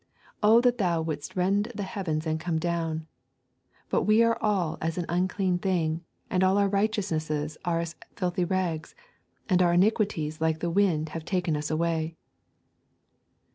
'Oh that Thou wouldst rend the heavens and come down ... But we are all as an unclean thing, and all our righteousnesses are as filthy rags, and our iniquities like the wind have taken us away.'